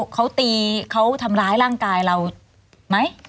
เขาตีเขาทำร้ายร่างกายเราไหม